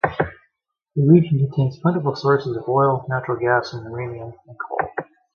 The region contains plentiful sources of oil, natural gas, uranium, and coal.